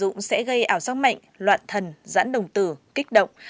sử dụng sẽ gây ảo giác mạnh loạn thần giãn đồng tử kích động